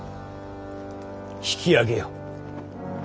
引き揚げよ。